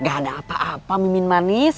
gak ada apa apa mimin manis